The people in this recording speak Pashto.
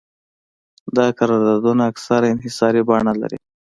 دا قراردادونه اکثراً انحصاري بڼه لري